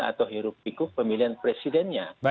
atau hirup pikuk pemilihan presidennya